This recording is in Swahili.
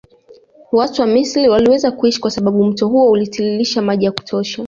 Watu wa Misri waliweza kuishi kwa sababu mto huo ulitiiririsha maji ya kutosha